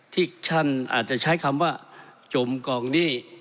ที่ท่านอาจจะใช้คำว่าจมกองหนี้